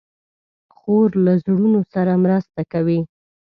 خور له زړونو سره مرسته کوي.